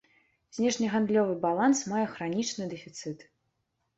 Знешнегандлёвы баланс мае хранічны дэфіцыт.